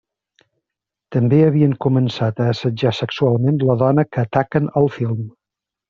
També havien començat a assetjar sexualment la dona que ataquen al film.